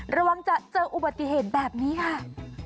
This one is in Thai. ระวังจะเจออุบัติเหตุแบบนี้ค่ะ